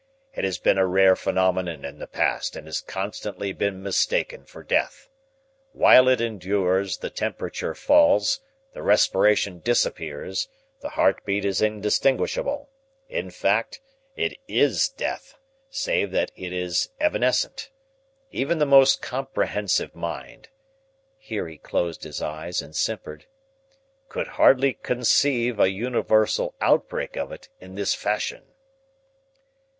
"It has been a rare phenomenon in the past and has constantly been mistaken for death. While it endures, the temperature falls, the respiration disappears, the heartbeat is indistinguishable in fact, it is death, save that it is evanescent. Even the most comprehensive mind" here he closed his eyes and simpered "could hardly conceive a universal outbreak of it in this fashion."